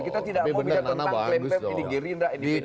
kita tidak mau bisa tentang klaim klaim di gerindra